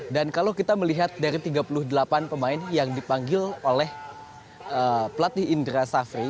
dan kalau kita melihat dari tiga puluh delapan pemain yang dipanggil oleh pelatih indra safri